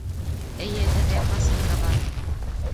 Эйе, һеҙгә посылка бар